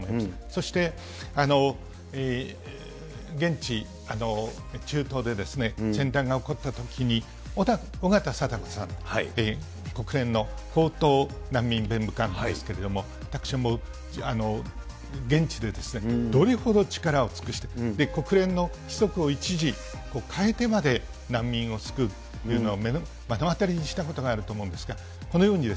そして、現地、中東で、戦乱が起こったときにおがたさだこさん、国連の高等難民弁務官ですけれども、私も現地でどれほど力を尽くしたか、国連の規則を一時変えてまで難民を救うというのを目の当たりにしたことがあると思うんですが、このように。